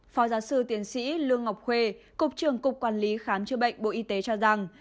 phó giáo sư tiến sĩ lương ngọc khuê cục trưởng cục quản lý khám chữa bệnh bộ y tế cho rằng